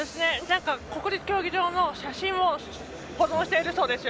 国立競技場の写真を保存しているそうですよ。